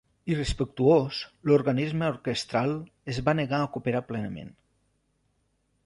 Irrespectuós, l'organisme orquestral, es va negar a cooperar plenament.